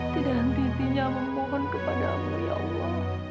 tidak henti hentinya memohon kepada mu ya allah